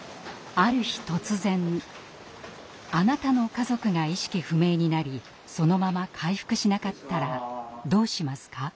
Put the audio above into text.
ある日突然あなたの家族が意識不明になりそのまま回復しなかったらどうしますか？